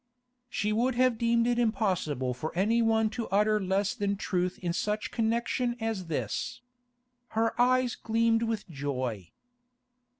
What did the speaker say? She would have deemed it impossible for anyone to utter less than truth in such connection as this. Her eyes gleamed with joy.